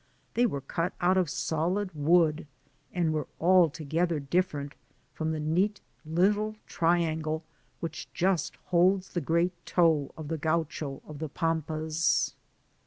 They were cut out of solid wood, and were alto gether different from the neat little triangle which just holds the great toe of the Gaucho of the Pampas.